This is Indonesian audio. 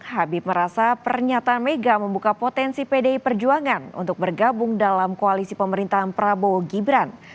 habib merasa pernyataan mega membuka potensi pdi perjuangan untuk bergabung dalam koalisi pemerintahan prabowo gibran